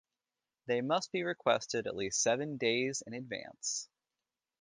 They must be requested at least seven days in advance.